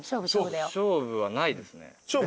勝負はないですね。